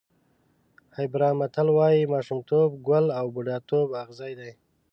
هېبرا متل وایي ماشومتوب ګل او بوډاتوب اغزی دی.